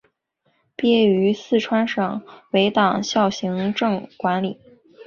毕业于四川省委党校行政管理。